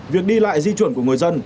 việc đi lại di chuyển của người dân